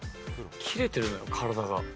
キレてるのよ、体が。